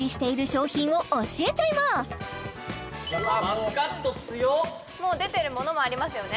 マスカット強っもう出てるものもありますよね？